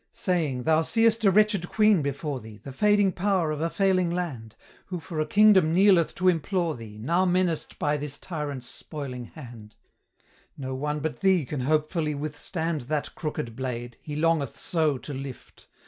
Saying, "Thou seest a wretched queen before thee, The fading power of a failing land, Who for a kingdom kneeleth to implore thee, Now menaced by this tyrant's spoiling hand; No one but thee can hopefully withstand That crooked blade, he longeth so to lift.